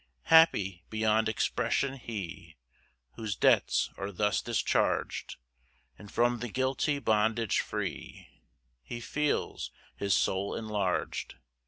2 Happy, beyond expression, he Whose debts are thus discharg'd; And from the guilty bondage free, He feels his soul enlarg'd.